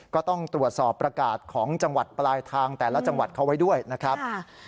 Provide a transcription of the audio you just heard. ก็ต้องตรวจสอบประกาศของจังหวัดปลายทางแต่ละจังหวัดเขาไว้ด้วยนะครับ